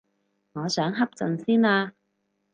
我想瞌陣先啊